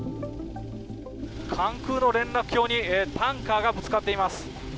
関空の連絡橋にタンカーがぶつかっています。